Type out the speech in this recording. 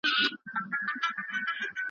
د الله تعالی پر منظم انتقام باندي دلالت کوي.